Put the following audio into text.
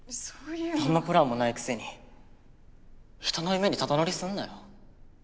何のプランもないくせに人の夢にタダ乗りすんなよ。